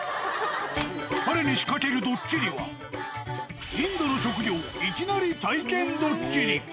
彼に仕掛けるドッキリは、インドの職業いきなり体験ドッキリ。